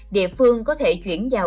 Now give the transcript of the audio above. địa phương có thể chuyển vào